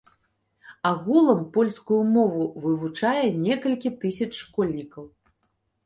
Агулам польскую мову вывучае некалькі тысяч школьнікаў.